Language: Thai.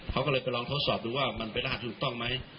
เขาก็เลยไปลองทดสอบดูว่ามันเป็นรหัสถูกต้องไหม